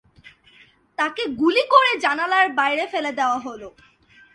তাকে গুলি করে জানালার বাইরে ফেলে দেওয়া হল।